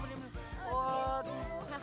oh di sini